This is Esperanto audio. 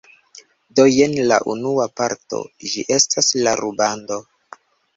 Do jen la unua parto, ĝi estas la rubando